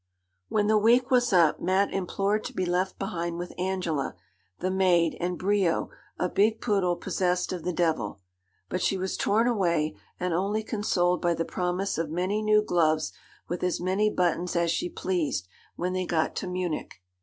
When the week was up Mat implored to be left behind with Angela, the maid, and Brio, a big poodle possessed of the devil. But she was torn away, and only consoled by the promise of many new gloves, with as many buttons as she pleased, when they got to Munich.